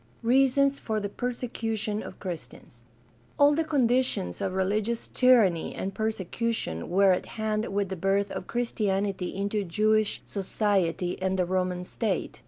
Reasons for the persecution of Christians. — All the con ditions of religious tyranny and persecution were at hand with the birth of Christianity into Jewish society and the Roman state.